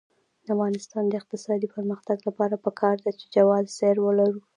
د افغانستان د اقتصادي پرمختګ لپاره پکار ده چې جواز سیر ولرو.